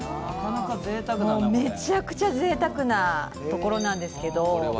めちゃくちゃぜいたくなところなんですけど。